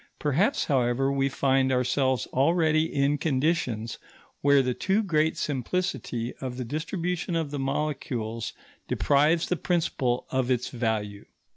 Perhaps, however, we find ourselves already in conditions where the too great simplicity of the distribution of the molecules deprives the principle of its value.